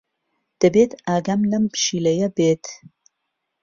دەبێت ئاگام لەم پشیلەیە بێت.